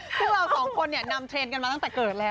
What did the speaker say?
ซึ่งเราสองคนนำเทรนด์กันมาตั้งแต่เกิดแล้ว